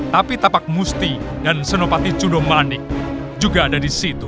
tapi tapak musti dan senopati judo manik juga ada di situ